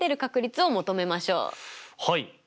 はい。